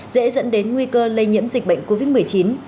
dễ dẫn đến nguy cơ lây nhiễm dịch bệnh covid một mươi chín